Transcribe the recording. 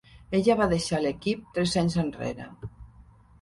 Ella va deixar l"equip tres anys enrere.